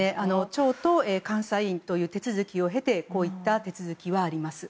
町と監査委員という手続きを経てこういう手続きはあります。